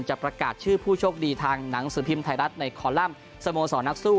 ประกาศชื่อผู้โชคดีทางหนังสือพิมพ์ไทยรัฐในคอลัมป์สโมสรนักสู้